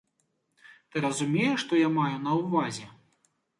Ты разумееш, што я маю на ўвазе.